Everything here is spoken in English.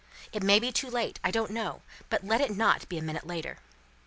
It may be too late, I don't know, but let it not be a minute later!"